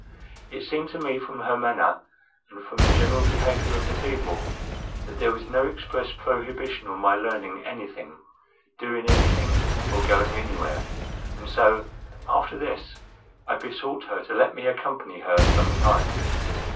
It seemed to me, from her manner and from the general behavior of the people, that there was no express prohibition on my learning anything, doing anything, or going anywhere; and so, after this, I besought her to let me accompany her some time.